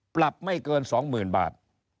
ปรับไม่เกิน๒๐๐๐บาท